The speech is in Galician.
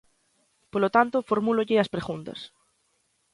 Polo tanto, formúlolle as preguntas.